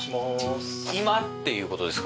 居間っていうことですか？